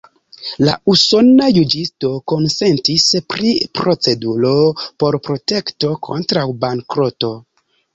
La usona juĝisto konsentis pri proceduro por protekto kontraŭ bankroto.